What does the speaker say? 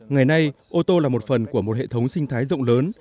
ngày nay ô tô là một phần của một hệ thống sinh thái rộng lớn